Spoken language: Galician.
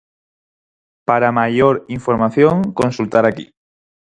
Para maior información, consultar aquí.